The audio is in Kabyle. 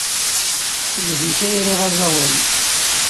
Seg zik ay riɣ aẓawan.